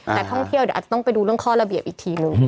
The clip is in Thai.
แต่ท่องเที่ยวเดี๋ยวอาจจะต้องไปดูเรื่องข้อระเบียบอีกทีนึง